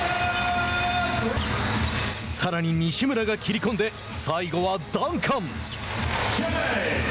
さらに西村が切り込んで最後はダンカン。